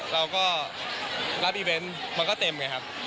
เราก็รับอีเวนต์มันก็เต็มไงครับ